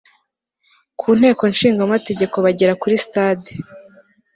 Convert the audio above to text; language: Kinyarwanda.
ku nteko ishinga amategeko bagera kuri stade